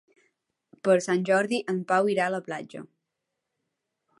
Per Sant Jordi en Pau irà a la platja.